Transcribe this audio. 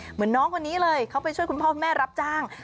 เหมือนน้องคนนี้เลยเขาไปช่วยคุณพ่อคุณแม่รับจ้าง